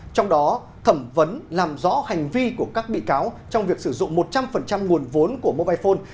trong đó thẩm vấn làm rõ hành vi của các bị cáo trong việc sử dụng một trăm linh nguồn vốn của mobile phone